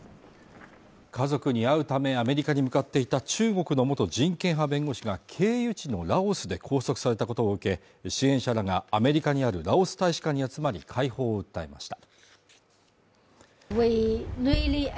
家族に会うためアメリカに向かっていた中国の元人権派弁護士が経由地のラオスで拘束されたことを受け支援者らがアメリカにあるラオス大使館に集まり解放を訴えました